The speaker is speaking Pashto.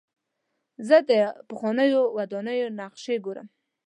زه د پخوانیو ودانیو نقشې ګورم.